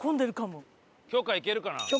許可いけるかな？